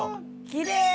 きれい！